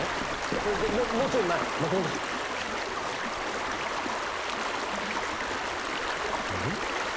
ちょっもうちょい前巻き戻してうん？